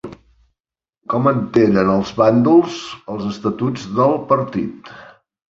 Com entenen els bàndols els estatuts del partit?